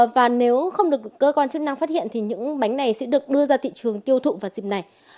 và nếu không được cơ quan chức năng phát hiện thì những bánh này sẽ được đưa ra thị trường tiêu thụ vào dịp này